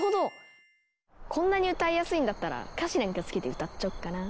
こんなに歌いやすいんだったら歌詞なんかつけて歌っちゃおうかな。